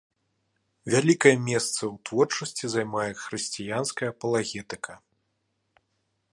Вялікае месца ў творчасці займае хрысціянская апалагетыка.